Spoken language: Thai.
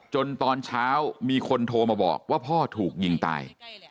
ตอนเช้ามีคนโทรมาบอกว่าพ่อถูกยิงตาย